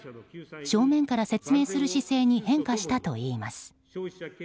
正面から説明する姿勢に変化したといいます。